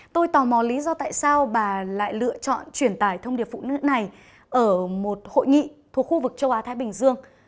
tôi tò mò lý do tại sao bà lại lựa chọn chuyển tải thông điệp phụ nữ này ở một hội nghị thuộc khu vực châu á thái bình dương